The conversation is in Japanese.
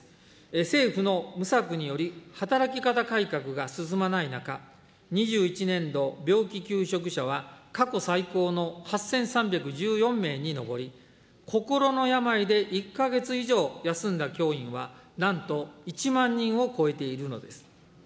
政府の無策により、働き方改革が進まない中、２１年度、病気休職者は過去最高の８３１４名に上り、心の病で１か月以上休んだ教員は、なんと１万人を超えているのです。